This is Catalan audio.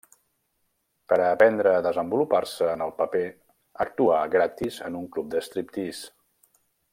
Per a aprendre a desenvolupar-se en el paper actuà gratis en un club de striptease.